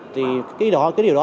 thì cái điều đó